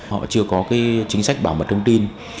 họ chưa có chính sách bảo mật thông tin